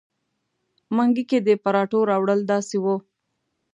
منګي کې د پراټو راوړل داسې وو.